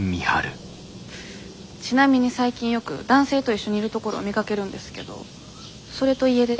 ちなみに最近よく男性と一緒にいるところを見かけるんですけどそれと家出って。